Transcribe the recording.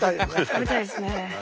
食べたいですね。